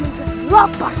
untuk membuat benih